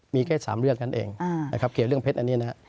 มีแค่๓เรื่องนั้นเองนะครับเกี่ยวเรื่องเพชรอันนี้นะครับ